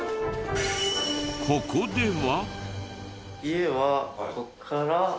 ここでは。